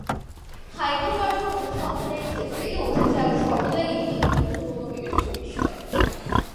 Hydrocarbon অনুসন্ধানের ক্ষেত্রে অধিচাপ সর্বদাই একটি গুরুত্বপূর্ণ বিবেচ্য বিষয়।